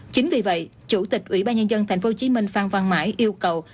chính vì vậy chủ tịch ủy ban nhân dân thành phố hồ chí minh phan văn mãi yêu cầu